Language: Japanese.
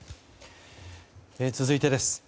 続いてです。